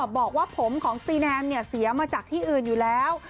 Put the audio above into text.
บอกว่าผมของซีแนมเสียมาจากที่อื่นอยู่แล้ว